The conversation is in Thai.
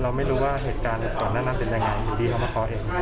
ไม่รู้ว่าเหตุการณ์ก่อนหน้านั้นเป็นยังไงอยู่ดีเขามาขอเห็น